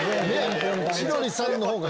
千鳥さんの方が。